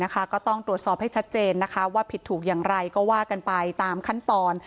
ก็ต้องตรวจสอบให้ชัดเจนว่าผิดถูกอย่างไรก็ว่ากันไปตามขั้นตอน